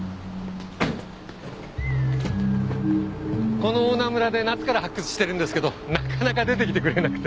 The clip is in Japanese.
この大菜村で夏から発掘してるんですけどなかなか出てきてくれなくて。